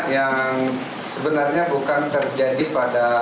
yang sebenarnya bukan terjadi pada